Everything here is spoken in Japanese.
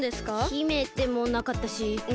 姫でもなかったしねえ